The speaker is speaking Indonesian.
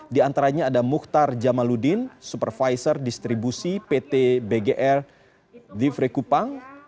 di antaranya ada mukhtar jamaludin supervisor distribusi pt bgr divre kupang